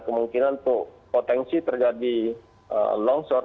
kemungkinan potensi terjadi longsor